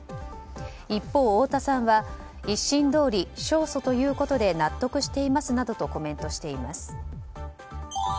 一方、太田さんは１審どおり勝訴ということで納得していますなどとコメントしています。